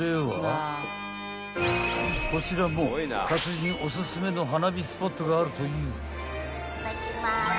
［こちらも達人おすすめの花火スポットがあるという］